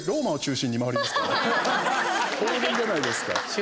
当然じゃないですか。